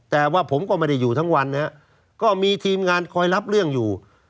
แต่ว่าผมก็ไม่ได้อยู่ทั้งวันนะฮะก็มีทีมงานคอยรับเรื่องอยู่